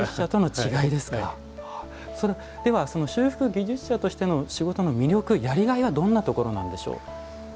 修復技術者としての魅力やりがいはどんなところなんでしょうか？